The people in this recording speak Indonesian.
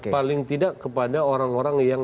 paling tidak kepada orang orang yang